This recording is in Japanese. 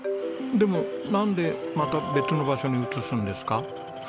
でもなんでまた別の場所に移すんですか？